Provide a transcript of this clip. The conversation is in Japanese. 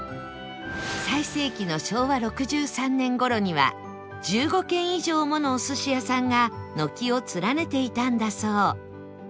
最盛期の昭和６３年頃には１５軒以上ものお寿司屋さんが軒を連ねていたんだそう